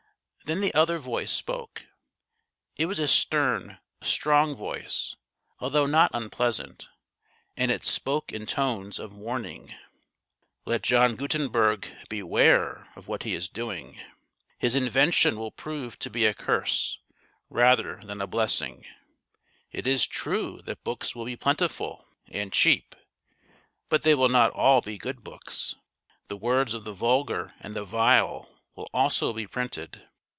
Then the other voice spoke. It was a stern, strong voice, although not unpleasant, and it spoke in tones of warning. " Let John Gutenberg beware of what he is doing. His invention will prove to be a curse rather than a blessing. It is true that books will be plentiful and cheap, but they will not all be good books. The words of the vulgar and the vile will also be printed.